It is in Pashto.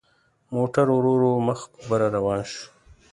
موټر ورو ورو مخ په بره روان شو.